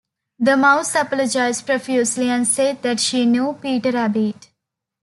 The mouse apologised profusely, and said that she knew Peter Rabbit.